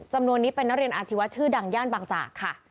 จำนวนนี้เป็นนักเรียนอาชีวะชื่อดังย่านบางจากค่ะ